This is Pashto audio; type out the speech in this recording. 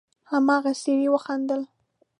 هماغه سړي وخندل: